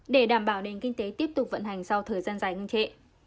để đảm bảo đền kinh tế tiếp tục vận hành sau thời gian dài ngân trệ